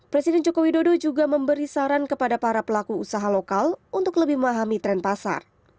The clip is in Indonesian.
presiden joko widodo juga memberi saran kepada para pelaku usaha lokal untuk lebih memahami tren pasar